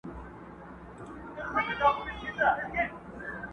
o هره ورځ اختر نه دئ، چي وريجي غوښي وخورې!